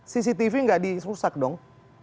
cctv nggak disusak dong